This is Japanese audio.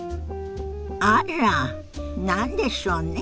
あら何でしょうね？